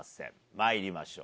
まいりましょう。